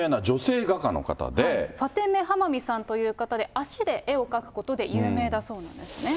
これ、ファテメ・ハマミさんという方で、足で絵を描くことで有名だそうなんですね。